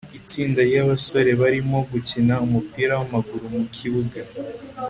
itsinda ryabasore barimo gukina umupira wamaguru mukibuga